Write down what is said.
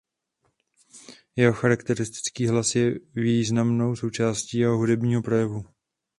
Jeho charakteristický hlas je významnou součástí jeho hudebního projevu.